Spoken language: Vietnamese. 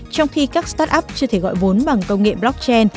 trong khi các start up chưa thể gọi vốn bằng công nghệ blockchain